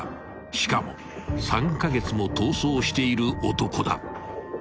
［しかも３カ月も逃走している男だ］